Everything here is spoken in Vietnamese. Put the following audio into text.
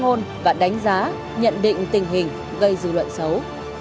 phát ngôn và đánh giá nhận định tình hình gây dư luận xấu